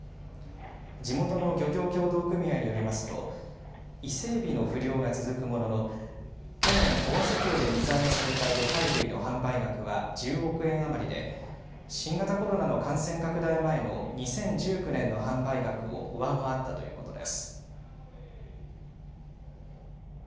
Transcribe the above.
地元の漁業協同組合によりますと伊勢えびの不漁が続くものの去年、尾鷲港で水揚げされた魚介類の販売額は１０億円余りで新型コロナの感染拡大前の２０１９年の販売額を上回ったということです。